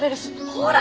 ほら！